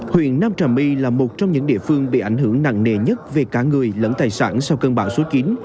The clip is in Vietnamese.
huyện nam trà my là một trong những địa phương bị ảnh hưởng nặng nề nhất về cả người lẫn tài sản sau cơn bão số chín